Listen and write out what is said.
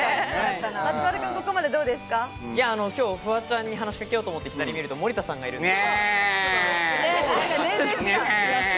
きょうフワちゃんに話しかけようと思って左見ると森田さんがいるので。